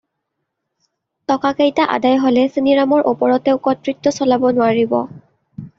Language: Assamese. টকাকেইটা আদায় হ'লে চেনিৰামৰ ওপৰত তেওঁ কৰ্তৃত্ব চলাব নোৱাৰিব।